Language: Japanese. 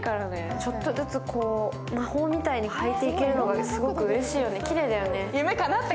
ちょっとずつ魔法みたいに履いていけるのがすごくうれしいよね、きれいだよね。